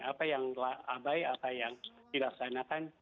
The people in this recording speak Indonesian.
apa yang abai apa yang dilaksanakan